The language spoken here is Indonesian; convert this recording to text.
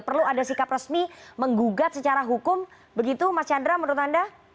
perlu ada sikap resmi menggugat secara hukum begitu mas chandra menurut anda